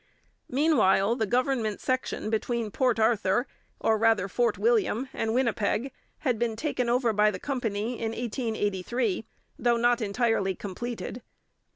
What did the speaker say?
Meanwhile, the government section between Port Arthur, or rather Fort William, and Winnipeg had been taken over by the company in 1883, though not entirely completed.